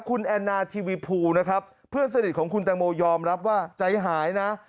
คุณแอนนาทีวีภูนะครับเพื่อนสนิทของคุณแตงโมยอมรับว่าใจหายนะ